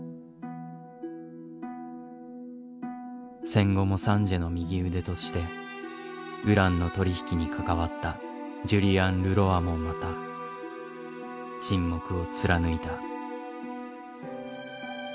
戦後もサンジエの右腕としてウランの取り引きに関わったジュリアン・ルロワもまた沈黙を貫いた。